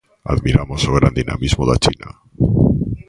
Admiramos o gran dinamismo da China.